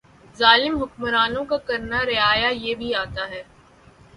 ظالم حکمرانوں کا کرنا رعایا پہ بھی آتا ھے